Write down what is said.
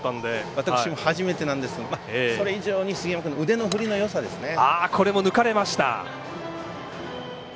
私も初めてなんですがそれ以上に杉山君の腕の振りのよさですね。